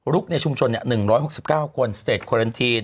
ลุกในชุมชนเนี่ย๑๖๙คนเสร็จควารันทีน